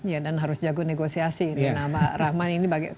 iya dan harus jago negosiasi ini sama rahman ini